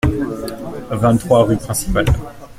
vingt-trois rue Principale